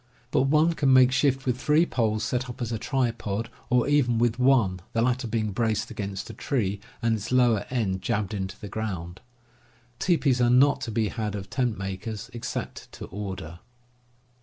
But one can make shift with three poles set up as a tripod, or even with one, the latter being braced against a tree, and its lower end jabbed into the ground. Teepees are not to be had of tent makers, except to order.